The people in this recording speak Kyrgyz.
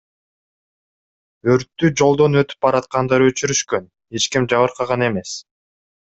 Өрттү жолдон өтүп бараткандар өчүрүшкөн, эч ким жабыркаган эмес.